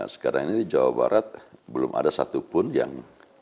sekarang ini di jawa barat belum ada satupun yang